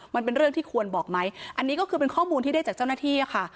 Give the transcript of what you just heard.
มันเป็นเรื่องที่ควรบอกไหมอันนี้ก็คือเป็นข้อมูลที่ได้จากเจ้าหน้าที่ค่ะ